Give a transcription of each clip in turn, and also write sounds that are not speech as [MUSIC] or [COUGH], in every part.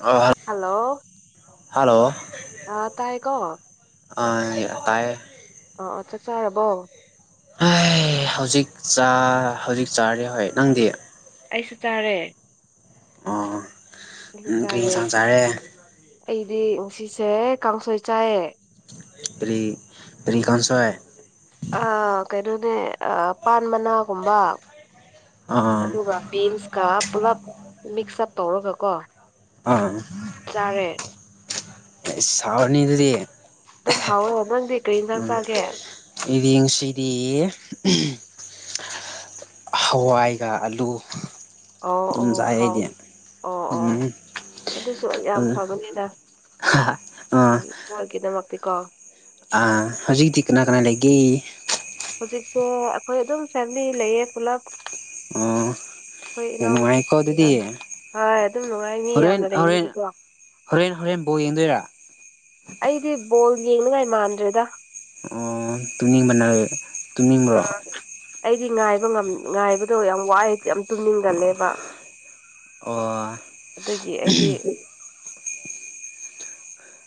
ꯑ hello hello ꯑ ꯇꯥꯏ ꯀꯣ ꯇꯥꯏ ꯑ ꯑ ꯆꯥꯛ ꯆꯥꯔꯕꯣ ꯑꯦ ꯍꯧꯖꯤꯛ ꯍꯧꯖꯤꯛ ꯆꯥꯔꯤ ꯍꯣꯏ ꯅꯪꯗꯤ ꯑꯩꯁꯨ ꯆꯥꯔꯦ ꯑꯣ ꯑꯩꯁꯨ ꯀꯔꯤ ꯁꯪꯁꯔꯦ ꯗꯤ ꯅꯨꯡꯁꯤꯠꯁꯦ ꯀꯥꯡꯁꯣꯏ ꯆꯥꯏꯑ ꯄꯔꯤ ꯄꯔꯤꯀꯁꯣꯏ ꯑꯗꯨꯅꯦ ꯄꯥꯟ ꯃꯅꯥꯒꯨꯝꯕ ꯑꯥ ꯑꯗꯨꯒ ꯕꯤꯟꯁ ꯀ ꯄꯨꯂꯞ ꯃꯤꯛꯁ ꯎꯞ ꯇꯧꯔꯒꯀꯣ ꯑꯥ ꯆꯔꯦ ꯁꯥꯎꯅꯤ ꯑꯗꯨꯗꯤ ꯑꯗꯨꯝ ꯍꯥꯎꯋ ꯅꯪꯗꯤ ꯀꯔꯤ ꯌꯦꯟꯁꯥꯡ ꯆꯥꯒꯦ ꯏꯔꯦꯡꯁꯤꯗꯤ ꯍꯋꯥꯏꯒ ꯑꯂꯨ ꯑꯣ ꯑꯗꯨꯝ ꯑꯣ ꯆꯥꯏ ꯍꯥꯎ ꯑꯩꯗꯤ ꯑꯣ ꯑꯣ ꯎꯝ ꯑꯗꯨꯁꯨ ꯌꯥꯝ ꯐꯕꯅꯤꯗ ꯑꯥ ꯒꯤꯗꯃꯛꯇꯤꯀꯣ ꯍꯧꯖꯤꯛꯇꯤ ꯀꯅꯥ ꯀꯅꯥ ꯂꯩꯒꯦ ꯍꯧꯖꯤꯛꯁꯦ ꯑꯩꯈꯣꯏ ꯑꯗꯨꯝ ꯐꯦꯃꯤꯂꯤ ꯂꯩꯌꯦ ꯄꯨꯂꯞ ꯑ ꯑꯩꯈꯣꯏ ꯏꯅꯥꯎꯅꯨꯄꯤꯁꯤꯡꯅ ꯍ ꯑꯗꯨꯝ ꯅꯨꯡꯉꯥꯏ ꯃꯤ ꯍꯣꯔꯦꯟ ꯌꯥꯝꯅ ꯍꯣꯔꯦꯟ ꯂꯩꯕꯅꯤꯀꯣ ꯍꯣꯔꯦꯟ ꯍꯣꯔꯦꯟꯕꯣ ꯌꯦꯡꯗꯣꯏꯔꯥ ꯑꯩꯗꯤ ꯕꯣꯜ ꯌꯦꯡꯅꯉꯥꯏ ꯃꯥꯟꯗ꯭ꯔꯦꯗ ꯑꯣ ꯇꯨꯡꯅꯤꯡꯕꯅꯥ ꯇꯨꯡꯅꯤꯡꯕ꯭ꯔꯣ ꯑꯥ ꯑꯩꯗꯤ ꯉꯥꯏꯕ ꯉꯥꯏꯕꯗꯣ ꯌꯥꯝ ꯋꯥꯏꯦ ꯌꯥꯝ ꯇꯨꯝꯅꯤꯡꯒꯜꯂꯦꯕ ꯑꯣ ꯑꯗꯨꯗꯒꯤ ꯑꯩꯗꯤ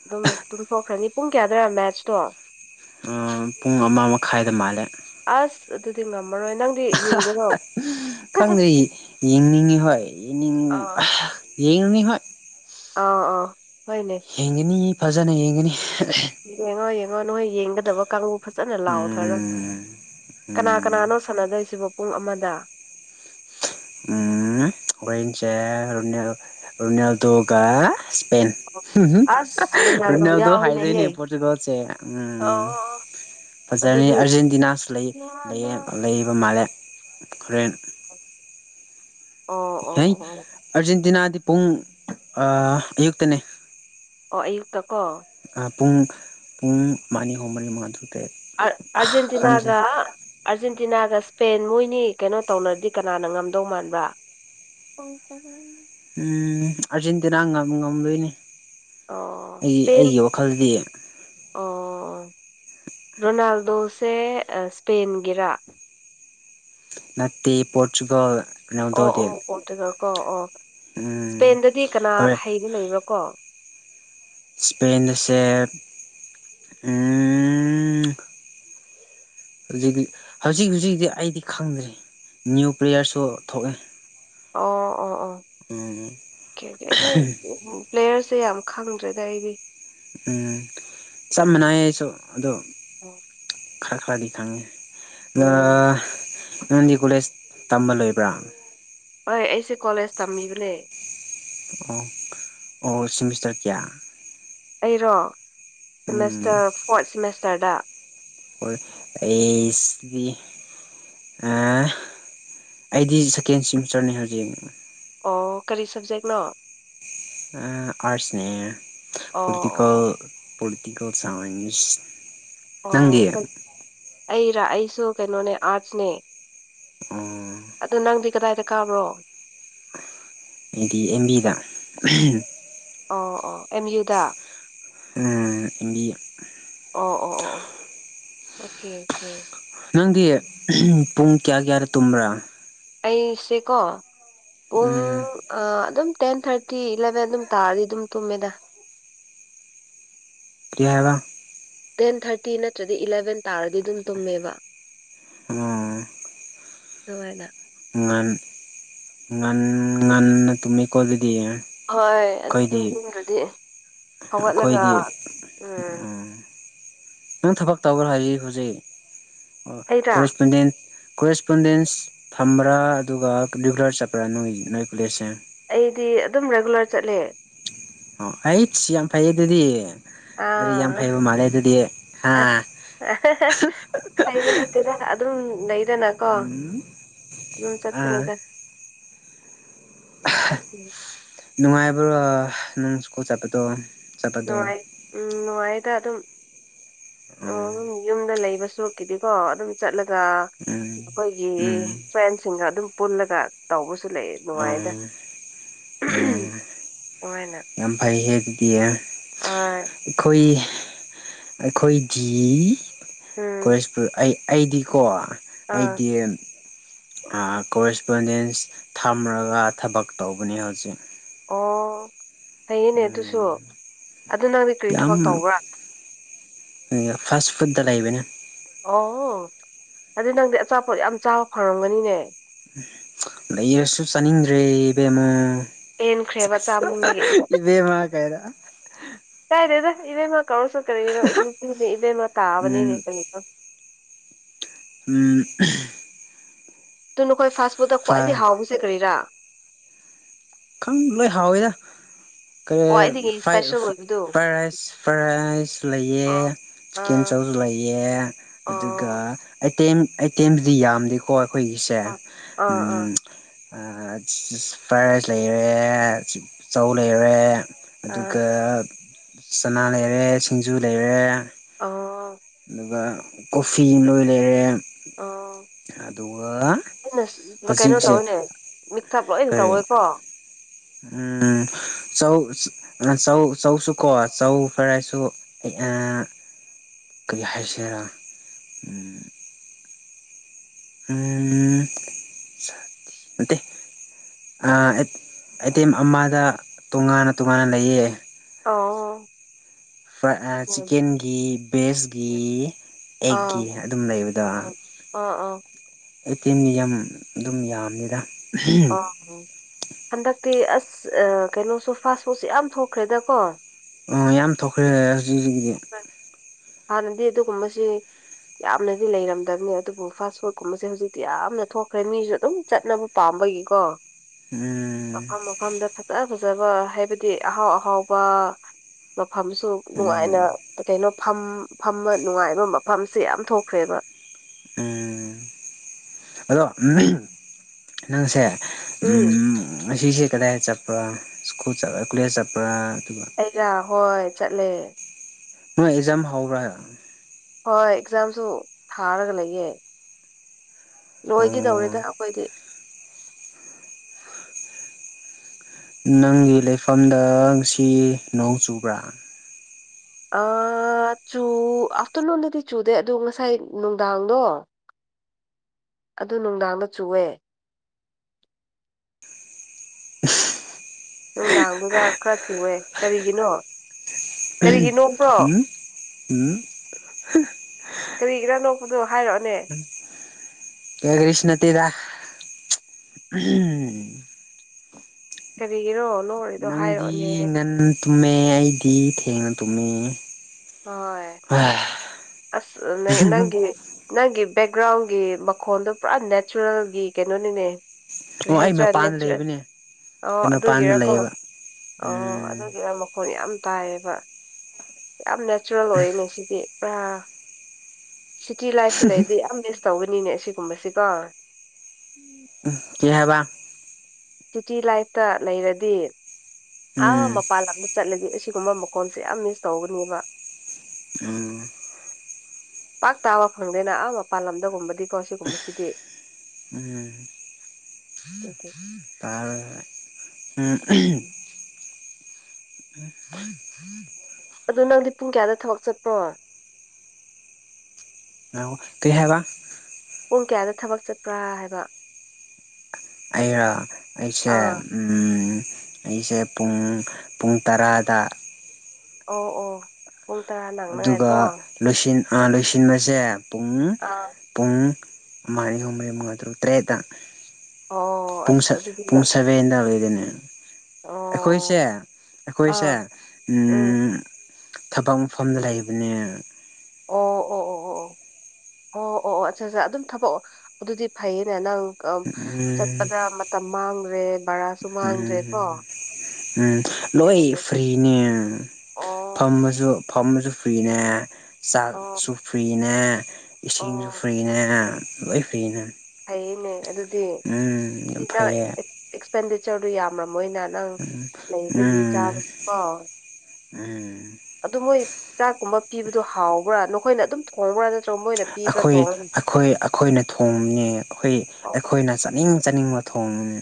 ꯑꯗꯨꯝ ꯇꯨꯝꯊꯣꯛꯈ꯭ꯔꯅꯤ ꯄꯨꯡ ꯀꯌꯥꯗꯏꯔꯥ ꯃꯦꯠꯆꯇꯣ ꯄꯨꯡ ꯑꯃ ꯃꯈꯥꯏꯗ ꯃꯥꯜꯂꯦ ꯑꯁ ꯑꯗꯨꯗꯤ ꯉꯝꯃꯔꯣꯏ ꯅꯪ ꯈꯪꯩ ꯌꯦꯡꯅꯤꯡꯉꯤ ꯍꯣꯏ ꯌꯦꯡꯅꯤꯡ ꯑꯥ ꯌꯦꯡꯅꯤꯡꯉꯤ ꯍꯣꯏ ꯑꯥ ꯑꯥ ꯍꯣꯏꯅꯦ ꯌꯦꯡꯒꯅꯤ ꯐꯖꯅ ꯌꯦꯡꯒꯅꯤ ꯌꯦꯡꯉꯣ ꯌꯦꯡꯉꯣ ꯅꯍꯣꯏ ꯌꯦꯡꯒꯗꯕ ꯀꯥꯡꯕꯨ ꯐꯖꯅ ꯂꯥꯎꯑꯣ ꯊꯔꯣ ꯎꯝ ꯀꯅꯥ ꯎꯝ ꯀꯅꯥꯅꯣ ꯁꯥꯟꯅꯗꯣꯏꯁꯤꯕꯣ ꯄꯨꯡ ꯑꯃꯗ ꯎꯝ ꯍꯈꯣꯏꯁꯦꯜꯗꯒ ꯍ ꯁꯄꯦꯟ ꯑꯁ ꯔꯣꯅꯥꯜꯗꯣ ꯔꯨꯅꯜꯗꯣ ꯌꯥꯎꯏꯅꯦꯍꯦ ꯍꯥꯏꯥꯏꯗꯣꯏꯅꯦ ꯄ ꯆꯩꯒꯁꯦ ꯎꯝ ꯐꯖꯔꯅꯤ ꯑꯗꯨꯗꯤ ꯑꯥꯔꯖꯦꯟꯇꯤꯅꯥꯁꯨ ꯂꯩ ꯂꯩ ꯑꯣ ꯂꯩꯕ ꯃꯥꯜꯂꯦ [UNINTELLIGIBLE] ꯑꯣ ꯍ ꯑꯣ ꯑꯔꯖꯦꯟꯇꯤꯅꯥꯗꯤ ꯄꯨꯡ ꯑꯌꯨꯛꯇꯅꯦ ꯑꯣ ꯑꯌꯨꯛꯇ ꯀꯣ ꯄꯨꯡ ꯄꯨꯡ ꯃꯅꯤ ꯍꯨꯝ ꯃꯔꯤ ꯃꯉꯥ ꯇꯔꯨꯛ ꯇꯔꯦꯠ ꯑ ꯀꯥꯟꯁꯤꯗ ꯑꯔꯖꯦꯟꯇꯅꯥꯒ ꯑꯔꯖꯦꯟꯇꯤꯅꯥꯒ ꯄꯦꯟ ꯃꯣꯏꯅꯤ ꯀꯩꯅꯣ ꯇꯧꯅꯔꯗꯤ ꯀꯅꯥꯅ ꯉꯝꯗꯧ ꯃꯥꯟꯕ꯭ꯔ ꯎꯝ ꯑꯔꯖꯦꯟꯇꯤꯅꯥꯝ ꯉꯝꯗꯣꯏꯅꯤ ꯑꯣ ꯑꯩꯒꯤ ꯏꯁꯄꯦꯟ ꯑꯩꯒꯤ ꯋꯥꯈꯜꯗꯤ ꯑꯣ ꯔꯣꯅꯥꯜꯗꯣꯁꯦ ꯏꯁꯄꯦꯟꯒꯤꯔ ꯇꯤ ꯄꯣꯔꯆꯨꯒꯜ ꯑꯣ ꯔꯣꯅꯥꯜꯗꯣꯗꯤ ꯑꯣ ꯄꯣꯔꯇꯨꯒꯜ ꯀꯣ ꯑꯣ ꯎꯝ ꯏꯁꯄꯦꯟꯗꯗꯤ ꯀꯅꯥ ꯍꯣꯏ ꯍꯩꯕ ꯂꯩꯕ꯭ꯔꯥ ꯀꯣ ꯏꯁꯄꯦꯟꯁꯦ [UNINTELLIGIBLE] ꯍꯧꯖꯤꯛꯇꯤ ꯍꯧꯖꯤꯛ ꯍꯧꯖꯤꯛꯛꯇꯤ ꯑꯩꯗꯤ ꯈꯪꯗ꯭ꯔꯤ ꯅ꯭ꯌꯨ ꯄ꯭ꯂꯦꯌꯔꯁꯨ ꯊꯣꯛꯑꯦ ꯑꯣ ꯑꯣ ꯑꯣ ꯑꯣ ꯎꯝ ꯑꯣꯗꯤ ꯄ꯭ꯂꯦꯔ ꯁꯦ ꯌꯥꯝ ꯈꯪꯗ꯭ꯔꯦꯗ ꯑꯩꯗꯤ ꯎꯝ ꯆꯞ ꯃꯅꯥꯏꯁꯨ ꯑꯗꯣ꯫ ꯈꯥ ꯈꯥꯗꯤ ꯈꯉꯦ꯫ ꯎꯝ ꯅꯥꯟꯗꯤ ꯀꯣꯂꯦꯖ ꯇꯝꯕ ꯂꯣꯏꯕ꯭ꯔꯥ꯫ ꯍꯣꯏ ꯑꯩꯁꯦ ꯀꯣꯂꯦꯖ ꯇꯝꯃꯤꯕꯅꯦ꯫ ꯑꯣ ꯑꯣ ꯁꯤꯃꯤꯁꯇꯔ ꯀꯌꯥ꯫ ꯑꯩꯔꯣ ꯁꯤꯃꯦꯁꯇꯔ ꯐꯣꯔꯠ ꯁꯤꯃꯦꯁꯇꯔꯗ꯫ ꯑꯣ ꯑꯦꯁꯕꯤ ꯑꯩꯗꯤ ꯁꯦꯀꯦꯟ ꯁꯤꯃꯤꯁꯇꯔꯅꯦ ꯍꯧꯖꯤꯛ ꯑꯣ ꯀꯔꯤ ꯁꯕꯖꯦꯛꯅꯣ ꯑꯥꯁꯅꯦ ꯑꯣ ꯄꯣꯂꯤꯇꯤꯀꯦꯟ ꯑꯣ ꯄ꯭ꯔꯛꯇꯤꯀꯦꯜ ꯁꯥꯏꯟꯁ ꯑꯣ ꯅꯪꯒꯤꯦ ꯑꯩꯔꯥ ꯑꯩꯁꯨ ꯀꯩꯅꯣꯅꯦ ꯑꯥꯔꯠꯁꯅꯦ ꯑ ꯑꯗꯨ ꯅꯪꯗꯤ ꯀꯗꯥꯏꯗ ꯀꯥꯕ꯭ꯔꯣ ꯍꯥꯏꯗꯤ ꯑꯦꯝꯕꯤꯗ ꯑꯣ ꯑꯣ ꯑꯦꯝ ꯌꯨꯗ ꯏꯟꯗꯤꯌꯥ ꯑꯣ ꯑꯣ ꯑꯣ ꯑꯣ ꯑꯣꯀꯦ ꯑꯣꯀꯦ ꯅꯪꯒꯤ ꯄꯨꯡ ꯀꯌꯥ ꯀꯌꯥꯗ ꯇꯨꯝꯕ꯭ꯔꯥ ꯑꯩꯁꯦꯀꯣ ꯄꯨꯡ ꯎꯝ ꯑꯗꯨꯝ ꯇꯦꯟ ꯊꯥꯔꯇꯤ ꯏꯂꯚꯦꯟ ꯑꯗꯨꯝ ꯇꯥꯔꯗꯤ ꯑꯗꯨꯝ ꯇꯨꯝꯃꯦꯗ ꯀ꯭ ꯍꯥꯏꯕ ꯇꯦꯟ ꯊꯥꯔꯇꯤ ꯅꯠꯇ꯭ꯔꯗꯤ ꯏꯂꯚꯦꯟ ꯇꯥꯔꯗꯤ ꯑꯗꯨꯝ ꯇꯨꯝꯃꯦꯕ ꯑꯣ ꯍ ꯑꯗ ꯉ ꯉ ꯉꯟꯅ ꯇꯃꯤ ꯀꯣ ꯍꯣꯏ ꯑꯗꯨ ꯑꯗꯨꯝ ꯊ꯭ꯔꯗꯤ ꯍꯧꯒꯠꯂꯒ ꯑꯩꯈꯣꯏꯗꯤ ꯎꯝ ꯅꯪ ꯊꯕꯛ ꯇꯧꯈ꯭ꯔ ꯍꯥꯏꯔꯤ ꯍꯧꯖꯤꯛ ꯑꯣ ꯑꯩꯔꯥ ꯀꯔꯤꯁꯄꯣꯟꯗꯦꯟ ꯀꯣꯔꯦꯁꯄꯣꯟꯗꯦꯟꯁ ꯊꯝꯕ꯭ꯔꯥ ꯑꯗꯨꯒ ꯔꯤꯒꯨꯂꯔ ꯆꯠꯄ꯭ꯔꯥ ꯅꯣꯏ ꯅꯣꯏ ꯄꯨꯂꯦꯁꯁꯦ ꯑꯩꯗꯤ ꯑꯗꯨꯝ ꯔꯦꯒꯨꯂꯔ ꯆꯠꯂꯦ ꯑꯣ ꯑꯩꯠꯁ ꯌꯥꯝ ꯐꯩ ꯑꯗꯨꯗꯤ ꯑꯗꯨꯗꯤ ꯌꯥꯝ ꯐꯩꯕ ꯃꯥꯜꯂꯦ ꯑꯗꯨꯗꯤ ꯍꯥ ꯑꯁꯩꯕ ꯅꯔ ꯑꯗꯨꯝ ꯂꯩꯗꯅ ꯀꯣ ꯎꯝ ꯑꯗꯨꯝ ꯑꯥ ꯆꯠꯇꯠꯇ꯭ꯔꯤꯗ ꯎꯝ ꯅꯨꯡꯉꯥꯏꯕ꯭ꯔꯣ ꯅꯪ ꯁ꯭ꯀꯣꯜ ꯆꯠꯄꯗꯣ ꯆꯠꯄꯗꯣ ꯅꯨꯡꯉꯥꯏ ꯎꯝ ꯅꯨꯡꯉꯥꯏꯗ ꯑꯗꯨꯝ ꯑꯣ ꯑꯗꯨꯝ ꯌꯨꯝꯗ ꯂꯩꯕ ꯁꯣꯛꯈꯤꯗꯤꯀꯣ ꯑꯗꯨꯝ ꯆꯠꯂꯒ ꯑ ꯎꯝ ꯑꯩꯈꯣꯏꯒꯤ ꯎꯝ ꯐ꯭ꯔꯦꯟꯁ ꯁꯤꯡꯒ ꯑꯗꯨꯝ ꯄꯨꯜꯂꯒ ꯇꯧꯕꯁꯨ ꯂꯩ ꯑꯣ ꯅꯨꯡꯉꯥꯏꯗ ꯑꯣ ꯑꯣꯏꯅ ꯌꯥꯝ ꯐꯩ ꯍꯥꯏ ꯑꯗꯨꯗꯤ ꯑꯩꯈꯣꯏ ꯑꯩꯈꯣꯏꯗꯤ ꯎꯝ ꯀꯁꯄꯨꯔ ꯑꯩ ꯑꯩꯗꯤꯀꯣ ꯑꯥ ꯑꯩꯗꯤ ꯀꯣꯔꯦꯁꯄꯣꯟꯗꯦꯟꯁ ꯊꯝꯔꯒ ꯊꯕꯛ ꯇꯧꯕꯅꯦ ꯍꯧꯖꯤꯛ ꯑꯣ ꯐꯩꯌꯦꯅꯦ ꯑꯗꯨꯁꯨ ꯎꯝ ꯑꯗꯨ ꯅꯪꯗꯤ ꯀꯔꯤ ꯊꯕꯛ ꯇꯧꯕ꯭ꯔꯥ ꯐ ꯐꯨꯗꯗ ꯂ ꯂꯩꯕꯅ ꯑꯣ ꯑꯗꯨ ꯅꯪꯗꯤ ꯑꯆꯥꯄꯣꯠ ꯌꯥꯝ ꯆꯥꯕ ꯐꯪꯉꯝꯒꯅꯤꯅꯦ ꯂꯩꯔꯁꯨ ꯆꯥꯅꯤꯡꯗ꯭ꯔꯦ ꯏꯕꯦꯝꯃꯣ ꯄꯦꯟꯈ꯭ꯔꯦꯕ ꯆꯥꯃ ꯑꯃꯒꯤꯒꯤ ꯏꯕꯦꯝꯃ ꯀꯩꯗ ꯀꯥꯏꯗꯣꯏꯗ ꯏꯕꯦꯝ ꯃꯥ ꯀꯧꯁꯨ ꯀꯔꯤꯔꯣ ꯏꯕꯦꯝꯃꯥ ꯎꯝ ꯇꯥꯕꯅꯤꯅꯦ ꯀꯔꯤꯗꯣ ꯎꯝ ꯑꯗꯨ ꯅꯈꯣꯏ ꯐꯥꯁ ꯐꯨꯠꯇ ꯈ꯭ꯋꯥꯏꯗꯒꯤ ꯍꯥꯎꯕꯁꯦ ꯀꯔꯤꯔꯥ ꯈꯪ ꯂꯣꯏ ꯍꯥꯎꯋꯗ ꯈ꯭ꯋꯥꯏꯗꯒꯤ ꯐꯥꯏ ꯏꯁꯄꯦꯁꯦꯜ ꯑꯣꯏꯕꯗꯨ ꯐ꯭ꯔꯥꯏ ꯔꯥꯏꯁ ꯂꯩꯑ ꯑꯥ ꯆꯤꯛꯀꯦꯟ ꯑꯥ ꯆꯧꯁꯨ ꯂꯩꯌꯦ ꯑꯗꯨꯒ ꯑꯥ ꯑꯥꯏꯇꯦꯝ ꯑꯥꯏꯇꯦꯝꯁꯤꯗꯤ ꯌꯥꯝꯗꯦꯀꯣ ꯑꯩꯈꯣꯏꯒꯤꯁꯦ ꯑꯥ ꯎꯝ ꯐ꯭ꯔꯥꯏ ꯔꯥꯏꯁ ꯂꯩꯔꯦ ꯆꯧ ꯂꯩꯔꯦ ꯑꯥ ꯑꯗꯨꯒ ꯆꯅꯥ ꯂꯩꯔꯦ ꯁꯤꯡꯖꯨ ꯂꯩꯔꯦ ꯑꯥ ꯑꯗꯨꯒ ꯀꯣꯐꯤ ꯂꯣꯏ ꯂꯩꯔꯦ ꯑꯗꯨꯒ ꯍꯧꯖꯤꯛꯁꯦ ꯃꯤꯛꯊꯥꯞ ꯂꯣꯏꯅ ꯀꯔꯤ ꯇꯧꯋꯦꯀꯣ ꯎꯝ ꯆꯧ ꯆꯧ ꯆꯧ ꯁꯨ ꯀꯣ ꯆꯧ ꯐꯔꯥꯏꯁꯨ ꯀꯔꯤ ꯍꯥꯏꯁꯤ ꯔꯥ ꯑ ꯅꯠꯇ ꯑꯥꯏꯇꯦꯝ ꯑꯃꯗ ꯇꯣꯉꯥꯟꯅ ꯇꯣꯉꯥꯟꯅ ꯂꯩꯌꯦ ꯑꯣ ꯑꯥ ꯆꯤꯀꯦꯟꯒꯤ ꯚꯦꯖꯒꯤ ꯑꯦꯛꯒꯤ ꯑꯗꯨꯝ ꯂꯩꯕꯗꯣ ꯑꯥ ꯑꯥ ꯑꯩ ꯇꯤꯅꯤ ꯌꯥꯝ ꯑꯗꯨꯝ ꯌꯥꯝꯅꯤꯗ ꯑ ꯍꯟꯗꯛꯇꯤ ꯑꯁ ꯀꯩꯅꯣꯁꯨ ꯐꯥꯁ ꯐꯨꯗꯁꯦ ꯌꯥꯝ ꯊꯣꯛꯈ꯭ꯔꯦꯗꯀꯣ ꯑꯣ ꯌꯥꯝ ꯊꯣꯛꯈ꯭ꯔꯦ ꯍꯧꯖꯤꯛ ꯍꯧꯖꯤꯛꯀꯤꯗꯤ ꯍꯥꯟꯅꯗꯤ ꯑꯗꯨꯒꯨꯝꯕꯁꯤ ꯌꯥꯝꯅꯗꯤ ꯂꯩꯔꯝꯗꯕꯅꯦ ꯑꯗꯨꯕꯨ ꯐꯥꯁ ꯐꯨꯗꯀꯨꯝꯕꯁꯦ ꯍꯧꯖꯤꯛꯇꯤ ꯌꯥꯝꯅ ꯊꯣꯛꯈ꯭ꯔꯦ ꯃꯤꯁꯨ ꯑꯗꯨꯝ ꯆꯠꯅꯕ ꯄꯥꯝꯕ ꯎꯝ ꯃꯐꯝ ꯃꯐꯝꯗ ꯐꯖ ꯐꯖ ꯐꯖꯕ ꯍꯥꯏꯕꯗꯤ ꯑꯍꯥꯎ ꯑꯍꯥꯎꯕ ꯃꯐꯝꯁꯨ ꯎꯝ ꯅꯨꯡꯉꯥꯏꯅ ꯀꯩꯅꯣ ꯐꯝ ꯐꯝꯕ ꯅꯨꯡꯉꯥꯏꯕ ꯃꯐꯝꯁꯦ ꯌꯥꯝ ꯊꯣꯛꯈ꯭ꯔꯦꯕ ꯎꯝ ꯑꯗꯣ ꯅꯪꯁꯦ ꯎꯝ ꯁꯤꯁꯤꯦ ꯀꯗꯥꯏ ꯆꯄ꯭ꯔꯨ ꯆ ꯀꯨꯂ ꯆꯄꯂ ꯑꯩꯔꯥ ꯍꯣꯏ ꯆꯠꯂꯦ ꯅ ꯑꯦꯛꯖꯥꯝ ꯍꯧꯥꯎꯔ ꯍꯣꯏ ꯑꯦꯛꯖꯥꯝꯁꯨ ꯊꯥꯔꯒ ꯂꯩꯌꯦꯦ ꯂꯣꯏꯒꯤꯗꯧꯔꯤꯗ ꯑꯩꯈꯣꯏꯗꯤ ꯅꯪꯒꯤ ꯂꯩꯐꯝꯗ ꯉ ꯁꯤ ꯅꯣꯡ ꯆꯨꯕ꯭ꯔꯥ ꯆꯨ ꯑꯥꯐꯇꯔꯅꯨꯟꯗꯗꯤ ꯆꯨꯗꯦ ꯑꯗꯨ ꯉꯁꯥꯏ ꯅꯨꯡꯗꯥꯡꯗꯣ ꯑꯗꯨ ꯅꯨꯡꯗꯥꯡꯗ ꯆꯨꯑꯦ ꯅꯨꯡꯗꯥꯡꯗꯨꯗ ꯈꯔ ꯆꯨꯑꯦ ꯀꯔꯤꯒꯤꯅꯣ ꯀꯔꯤꯒꯤ ꯅꯣꯛꯄ꯭ꯔꯣ ꯎꯝ ꯎꯝ ꯀꯔꯤꯒꯤꯔꯥ ꯅꯣꯛꯄꯗꯣ ꯍꯥꯏꯔꯛꯑꯣꯅꯦ ꯀ꯭ꯔꯤꯁꯅ ꯇꯗ ꯀꯔꯤꯒꯤꯔꯣ ꯅꯣꯛꯔꯤꯗꯣ ꯅꯪꯗꯤ ꯍꯥꯏꯔꯛꯑꯣꯅꯦ ꯉꯟ ꯇꯨꯝꯃꯦ ꯑꯩꯗꯤ ꯊꯦꯡꯅ ꯇꯨꯝꯃꯦ ꯍꯣꯏ ꯑꯁ ꯅ ꯅꯪꯒꯤ ꯅꯪꯒꯤ ꯕꯦꯛꯒ꯭ꯔꯥꯎꯟꯒꯤ ꯃꯈꯣꯟꯗꯣ ꯄꯨꯔꯥ ꯅꯦꯆꯔꯦꯜꯒꯤ ꯀꯩꯅꯣꯅꯤꯅꯦ ꯑꯣ ꯑꯩ ꯃꯄꯥꯟꯗ ꯀ꯭ꯔꯤꯍꯦꯁ꯭ꯔꯆ ꯂꯩꯕꯅꯦ ꯑꯣ ꯑꯩ ꯃꯄꯥꯟꯗ ꯑꯗꯨꯒꯤꯔꯀꯣ ꯂꯩꯌꯦꯕ ꯑꯣ ꯎꯝ ꯑꯗꯨꯒꯤꯔ ꯃꯈꯣꯟ ꯌꯥꯝ ꯇꯥꯏꯌꯦꯕ ꯌꯥꯝ ꯅꯦꯆꯔꯦꯜ ꯑꯣꯏꯅꯦ ꯁꯤꯗꯤ ꯄꯨꯔꯥ ꯁꯤꯇꯤ ꯂꯥꯏꯐꯇ ꯂꯩꯔꯗꯤ ꯌꯥꯝ ꯃꯤꯁ ꯇꯧꯕ ꯅꯤꯅꯦ ꯑꯁꯤꯒꯨꯝꯕꯁꯤꯀꯣ ꯀ ꯍꯥꯏꯕ ꯁꯤꯤꯇꯤ ꯂꯥꯏꯐꯇ ꯂꯩꯔꯗꯤ ꯑꯥ ꯎꯝ ꯃꯄꯥꯟ ꯂꯝꯗ ꯆꯠꯂꯗꯤ ꯑꯁꯤ ꯁꯨꯝꯕ ꯃꯈꯣꯟꯜꯁꯦ ꯌꯥꯝ ꯃꯤꯁ ꯇꯧꯒꯅꯦꯕ ꯎꯝ ꯄꯥꯛ ꯇꯥꯕ ꯐꯪꯗꯦꯅ ꯑꯥ ꯃꯄꯥꯥꯟ ꯂꯝꯗꯒꯨꯝꯕꯗꯤꯀꯣ ꯁꯤꯒꯨꯝꯕꯁꯤꯗꯤ ꯎꯝ ꯑꯗꯨ ꯇꯔ ꯎꯝ ꯑꯗꯨꯣ ꯅꯪꯗꯤ ꯄꯨꯡ ꯀꯌꯥꯗ ꯊꯕꯛ ꯆꯠꯄ꯭ꯔꯣ ꯑ ꯇ ꯍꯥꯏꯕ ꯄꯨꯡ ꯀꯌꯥꯗ ꯊꯕꯛ ꯆꯠꯄ꯭ꯔꯥ ꯍꯥꯏꯕ ꯑꯔ ꯑꯩꯁꯦ ꯑꯥ ꯎ ꯑꯩꯁꯦ ꯄꯨꯡ ꯄꯨꯡ ꯇꯔꯥꯗ ꯑꯣ ꯑꯣ ꯄꯨꯡ ꯇꯔꯥ ꯑꯗꯨꯒ ꯅꯪꯅꯉꯥꯏꯀꯣ ꯂꯣꯏꯁꯤꯟꯕꯁꯦ ꯄꯨꯡ ꯑꯥ ꯄꯨꯡ ꯃꯥꯥꯏ ꯎꯔꯤ ꯃ ꯉ ꯑꯗꯨ꯭ꯔꯨ ꯇ꯭ꯔꯦꯗ ꯑꯣ ꯄꯨꯡ ꯑꯁ ꯑꯗꯨꯗꯤ ꯅ ꯄꯨꯡ ꯁꯕꯦꯟꯗ ꯑꯣꯏꯗꯅꯦ ꯑꯣ ꯑꯩꯣꯏꯁꯦꯣꯏꯁꯦ ꯑꯥ ꯎꯝ ꯊꯕꯛ ꯃꯐꯝꯗ ꯂꯩꯕꯅꯦ ꯑꯣ ꯑꯣ ꯑꯣ ꯑꯣ ꯑꯣ ꯑꯠꯆꯥ ꯑꯠꯆꯥ ꯑꯗꯨꯝ ꯊꯕꯛ ꯑꯗꯨꯗꯤ ꯐꯩꯌꯦꯅꯦ ꯅꯪ ꯑ ꯎꯝ ꯆꯠꯄꯗ ꯃꯇꯝ ꯃꯥꯡꯗ꯭ꯔꯦ ꯚꯔꯥꯁꯨ ꯃꯥꯡꯗ꯭ꯔꯦ ꯎꯝ ꯀꯣ ꯎꯝ ꯂꯣꯏ ꯐ꯭ꯔꯤꯅꯦ ꯑꯣ ꯐꯝꯃꯁꯨ ꯐꯝꯁꯨ ꯐ꯭ꯔꯤꯅꯦ ꯑꯣ ꯆꯥꯛꯁꯨ ꯐꯔꯤꯅꯦ ꯏꯁꯤꯡꯁꯨꯨ ꯑꯣ ꯐ꯭ꯔꯤꯅ ꯂꯣꯏ ꯐꯨꯔꯤꯅ ꯐꯩꯌꯦꯅꯦ ꯑꯗꯨꯗꯤ ꯌꯥꯝ ꯑꯗꯨꯅ ꯐꯩꯌꯦ ꯑꯦꯛꯁꯄꯦꯟꯗꯤꯆꯔꯗꯨ ꯌꯥꯝꯕ ꯃꯣꯏꯅ ꯅꯪ ꯂꯩꯕꯒꯤ ꯎꯝ ꯆꯥꯕꯒꯤꯀꯣ ꯎꯝ ꯑꯗꯨ ꯃꯣꯏ ꯆꯥꯛꯀꯨꯝꯕ ꯄꯤꯕꯗꯣ ꯍꯥꯎꯕ꯭ꯔꯥ ꯅꯈꯣꯏꯅ ꯑꯗꯨꯝ ꯊꯣꯡꯕ꯭ꯔꯥ ꯅꯠꯇ꯭ꯔꯒ ꯃꯣꯏꯅ ꯄꯤꯕ꯭ꯔꯥ ꯑꯩꯈꯣꯏ ꯊꯣꯡꯉꯒ ꯑꯩꯈꯣꯏ ꯑꯩꯈꯣꯏꯅ ꯊꯣꯡꯅꯤ ꯑꯩꯈꯣꯏ ꯑꯣ ꯑꯩꯈꯣꯏꯅ ꯆꯥꯅꯤꯡ ꯆꯥꯅꯤꯡꯕ ꯊꯣꯅꯨꯃꯤ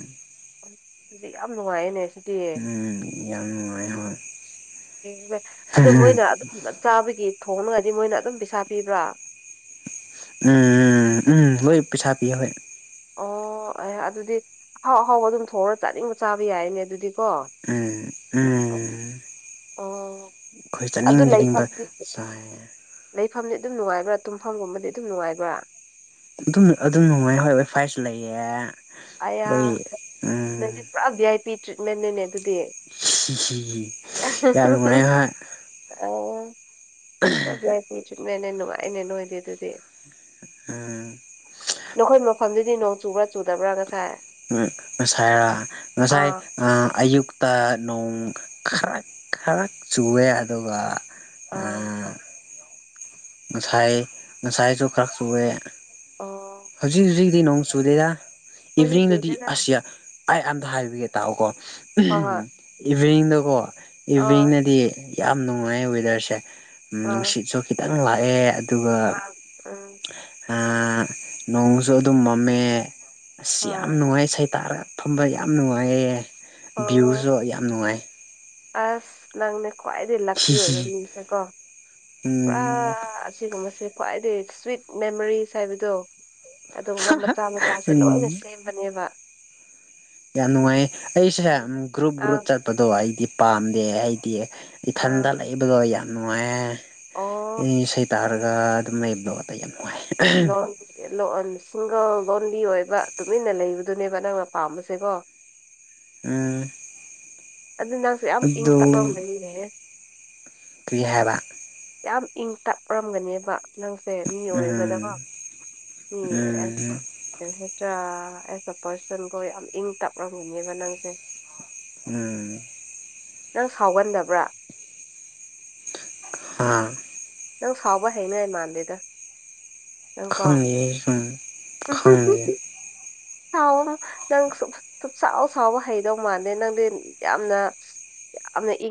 ꯑꯗꯨꯗꯤ ꯌꯥꯝ ꯅꯨꯡꯉꯥꯏꯌꯦꯅꯦ ꯁꯤꯗꯤ ꯎ ꯌꯥꯝꯡ ꯅꯨꯡꯉꯥꯏꯍ ꯑꯦ ꯑꯗꯨ ꯃꯣꯏꯅ ꯑꯗꯨꯝ ꯆꯥꯕꯒꯤ ꯊꯣꯡꯅꯉꯗꯤ ꯃꯣꯏꯅ ꯑꯗꯨꯝ ꯄꯩꯁꯥ ꯄꯤꯕ꯭ꯔꯥ ꯎꯝ ꯎꯝ ꯎꯝ ꯂꯣꯏ ꯄꯁꯥ ꯄꯤ ꯍꯣꯏ ꯑꯣ ꯑꯦ ꯑꯗꯨꯗꯤ ꯑꯍꯥꯎ ꯑꯍꯥꯎꯕ ꯑꯗꯨꯝ ꯊꯣꯡꯑꯒ ꯆꯥꯅꯤꯡꯕ ꯆꯥꯕ ꯌꯥꯏꯅꯦ ꯑꯗꯨꯗꯤ ꯎꯝ ꯎꯝ ꯑꯣ ꯑꯩꯈꯣꯏ ꯑꯗꯨ ꯆꯠꯅꯤꯡꯖꯅꯤꯡꯕ ꯆꯥꯏ ꯃꯐꯝꯗꯤ ꯑꯗꯨꯝ ꯅꯨꯡꯉꯥꯏꯕ꯭ꯔꯥ ꯇꯨꯝꯐꯝꯒꯨꯝꯕꯗꯤ ꯑꯗꯨꯝ ꯅꯨꯡꯉꯥꯏꯕ꯭ꯔꯥ ꯑꯗꯨꯝ ꯑꯗꯨꯝ ꯅꯨꯡꯉꯥꯏ ꯍꯣꯏ ꯍꯣꯏ ꯐꯥꯏꯁꯨ ꯂꯩꯌꯦꯦ ꯑꯌꯥ ꯅꯗꯤ ꯄꯨꯔꯥ ꯚ ꯑꯥꯏ ꯄꯤ ꯇ꯭ꯔꯤꯠꯃꯦꯟꯅꯤꯅꯦ ꯑꯗꯨꯗꯤ ꯌꯥꯝ ꯅꯨꯡꯉꯥꯏ ꯍꯣꯏ ꯑꯣ ꯆꯅꯅꯦꯟꯅꯣ ꯑꯩꯅꯦ ꯅ ꯑꯣꯏꯗꯤ ꯑꯗꯨꯗꯤ ꯎꯝ ꯅꯈꯣꯏ ꯃꯐꯝꯗꯨꯗꯤ ꯅꯣꯡ ꯆꯨꯕ꯭ꯔꯥ ꯆꯨꯗꯕ꯭ꯔꯥ ꯉꯁꯥꯏ ꯎꯝ ꯉꯁꯥꯏꯔ ꯉꯁꯥꯏ ꯑꯥ ꯑꯌꯨꯛꯇ ꯅꯣꯡ ꯈꯔ ꯈꯔꯛ ꯆꯨꯑꯦ ꯑꯗꯨꯒ ꯑꯥ ꯉꯁꯥꯏ ꯉꯁꯥꯏꯁꯨ ꯈꯔꯛꯇꯣꯛꯑꯦ ꯑꯣ ꯍꯧꯖꯤꯛ ꯍꯧꯖꯤꯛ ꯑꯗꯨꯗꯤ ꯅꯣꯡ ꯆꯨꯗꯦꯗ ꯑꯩꯈꯣꯏꯗꯤ ꯏꯚꯤꯅꯤꯡꯗꯨꯗꯤ ꯆꯨꯗꯦꯗ ꯑꯁ ꯑꯩ ꯑꯝꯇ ꯍꯥꯏꯕꯤꯒꯦ ꯇꯥꯛꯑꯣꯀꯣ ꯍꯣꯏ ꯍꯣꯏ ꯏꯚꯤꯅꯤꯡꯗꯀꯣ ꯏꯚꯤꯅꯤꯡꯅꯗꯤ ꯌꯥꯝ ꯅꯨꯡꯉꯥꯏ ꯋꯦꯗꯔꯁꯦ ꯑ ꯅꯨꯡꯁꯤꯠꯁꯨ ꯈꯤꯇꯪ ꯂꯥꯛꯑꯦ ꯑ ꯎꯝ ꯑꯥ ꯅꯣꯡꯁꯨ ꯑꯗꯨꯝ ꯃꯝꯃꯦ ꯑꯁ ꯌꯥꯝ ꯍꯣꯏ ꯅꯨꯡꯉꯥꯏ ꯏꯁꯩ ꯇꯥꯥꯔꯒ ꯐꯝꯕ ꯌꯥꯝ ꯅꯨꯡꯉꯥꯏꯌꯦ ꯑꯣ ꯚ꯭ꯌꯨꯁꯨ ꯌꯥꯝ ꯅꯨꯡꯉꯥꯏ ꯑꯁ ꯅꯪꯅꯦ ꯈ꯭ꯋꯥꯏꯗꯩ ꯂꯛꯀꯤ ꯑꯣꯏꯕ ꯍꯤꯍꯤ ꯃꯤꯁꯦꯀꯣ ꯄꯨꯔꯥ ꯎꯝ ꯑꯁꯤꯒꯨꯝꯕꯁꯤ ꯈ꯭ꯋꯥꯏꯗꯩ ꯁ꯭ꯋꯤꯠ ꯃꯦꯃꯣꯔꯤꯁ ꯍꯥꯏꯕꯗꯨ ꯑꯗꯨꯒꯨꯝꯕ ꯃꯆꯥ ꯃꯆꯥꯁꯦ ꯂꯣꯏꯅ ꯎꯝ ꯁꯦꯝꯕꯅꯦꯕ ꯌꯥꯝ ꯅꯨꯡꯉꯥꯏ ꯑꯩꯁꯦ ꯒ꯭ꯔꯨꯞ ꯒ꯭ꯔꯨꯞ ꯑꯥ ꯆꯠꯄꯗꯣ ꯑꯩꯗꯤ ꯄꯥꯝꯗꯦ ꯍꯥꯏꯗꯤ ꯏꯊꯟꯗ ꯑꯥ ꯂꯩꯕꯗꯣ ꯌꯥꯝ ꯅꯨꯡꯉꯥꯏꯌꯦ ꯑꯣ ꯎꯝ ꯏꯁꯩ ꯇꯥꯔꯒ ꯑ ꯑꯗꯨꯝꯗ ꯂꯩꯕꯗꫭ ꯂꯣꯟ ꯑꯦꯂꯣꯟ ꯁꯤꯡꯒꯜ ꯂꯣꯟꯂꯤ ꯑꯣꯏꯕ ꯇꯨꯃꯤꯟꯅ ꯂꯩꯕꯗꯨꯅꯦꯕ ꯅꯪꯅ ꯄꯥꯝꯕꯁꯦꯀꯣ ꯎꯝ ꯑꯗꯨ ꯅꯪꯁꯨꯦ ꯌꯥꯝ ꯏꯪ ꯇꯞꯔꯝꯗꯧ ꯃꯤ ꯃꯥꯜꯂꯦ ꯀꯔꯤꯍꯥꯏꯕ ꯌꯥꯝ ꯏꯪ ꯇꯞ ꯔꯝꯒꯅꯦꯕ ꯅꯪꯁꯦ ꯃꯤ ꯎꯝ ꯑꯣꯏꯒꯗꯕ ꯃꯤ ꯎꯝ ꯑꯦꯁ ꯀꯩ ꯍꯥꯏꯁꯤꯔꯥ ꯑꯦꯁ ꯑꯦ ꯄꯔꯁꯟꯒꯣ ꯌꯥꯝ ꯏꯪ ꯇꯞꯂꯝꯝꯒꯅꯦꯕ ꯅꯪꯁꯦ ꯎꯝ ꯅꯪ ꯁꯥꯎꯒꯟꯗꯕ꯭ꯔꯥ ꯍꯥꯥ ꯅꯪ ꯁꯥꯎꯕ ꯍꯩꯅꯉꯥꯥꯏ ꯃꯥꯟꯗꯦꯗ ꯅꯪ ꯀꯣ ꯈꯪꯗꯦ ꯁꯨꯝ ꯈꯪꯗꯦ ꯁꯥꯎ ꯅꯪ ꯁꯨꯛꯁꯥꯎ ꯁꯥꯎꯕ ꯍꯩꯗꯧ ꯃꯥꯥꯟꯗꯦ ꯅꯪꯗꯤ ꯌꯥꯝꯅ ꯌꯥꯝꯅ ꯏꯪ